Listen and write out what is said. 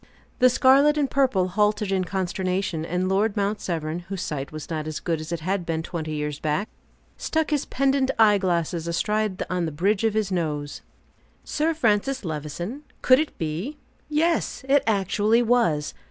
The scarlet and purple halted in consternation, and Lord Mount Severn, whose sight was not as good as it had been twenty years back, stuck his pendent eye glasses astride on the bridge of his nose. Sir Francis Levison? Could it be? Yes, it actually was!